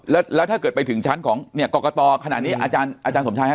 แล้วแล้วถ้าเกิดไปถึงชั้นของเนี้ยกอกกะตอขนาดนี้อาจารย์อาจารย์สมชายฮะ